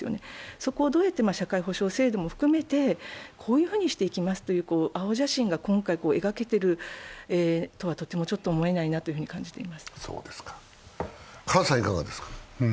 そこをどうやって社会保障制度も含めて、こういうふうにしていきますという青写真が今回描けているとはとても思えないなと感じています。